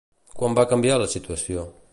Quan va canviar la situació?